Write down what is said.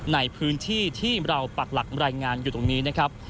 ในพื้นที่ที่เราปักหลักรายงานอยู่ตรงนี้นะครับ